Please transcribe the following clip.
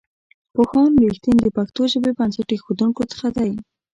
پوهاند رښتین د پښتو ژبې بنسټ ایښودونکو څخه دی.